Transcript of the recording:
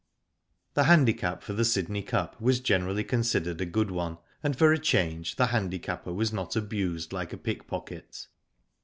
The handicap for the Sydney Cup was generally considered a good one, and for a change the handicapper was not abused like a pick pocket.